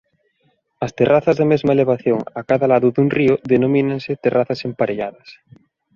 As terrazas da mesma elevación a cada lado dun río denomínanse "terrazas emparelladas".